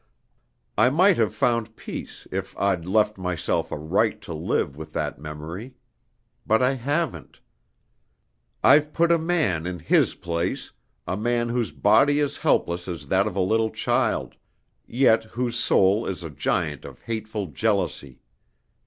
I might have found peace if I'd left myself a right to live with that memory. But I haven't. I've put a man in his place, a man whose body is helpless as that of a little child, yet whose soul is a giant of hateful jealousy.